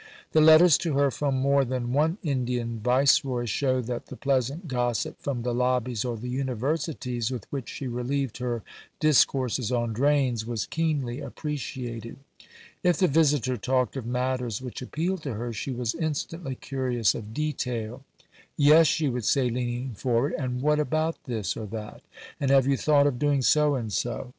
The letters to her from more than one Indian Viceroy show that the pleasant gossip from the lobbies or the Universities, with which she relieved her discourses on drains, was keenly appreciated. If the visitor talked of matters which appealed to her, she was instantly curious of detail. "Yes," she would say, leaning forward, "and what about this or that? and have you thought of doing so and so?"